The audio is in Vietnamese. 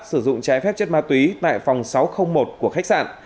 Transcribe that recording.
sử dụng trái phép chất ma túy tại phòng sáu trăm linh một của khách sạn